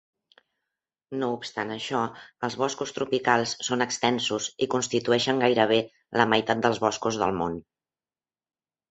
No obstant això, els boscos tropicals són extensos i constitueixen gairebé la meitat dels boscos del món.